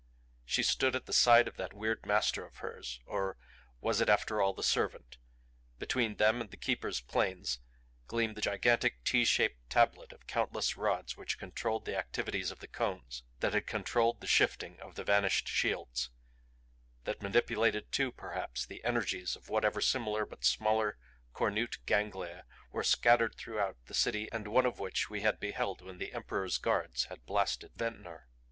She stood at the side of that weird master of hers or was it after all the servant? Between them and the Keeper's planes gleamed the gigantic T shaped tablet of countless rods which controlled the activities of the cones; that had controlled the shifting of the vanished shields; that manipulated too, perhaps, the energies of whatever similar but smaller cornute ganglia were scattered throughout the City and one of which we had beheld when the Emperor's guards had blasted Ventnor.